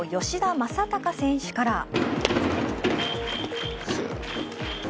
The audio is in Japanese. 吉田正尚選手から。